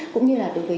cũng như là đối với